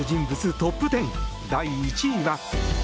トップ１０第１位は。